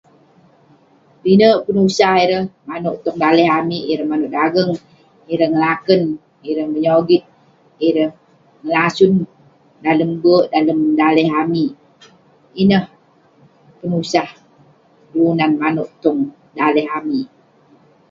Pinek penusah ireh manouk tong daleh amik, ireh manouk dageng, ireh ngelaken, ireh menyogit, ireh ngelasun, dalem berk, dalem daleh amik..ineh penusah kelunan manouk tong daleh amik